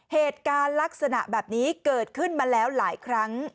เหตุการณ์ลักษณะแบบนี้เกิดขึ้นมาแล้วหลายครั้ง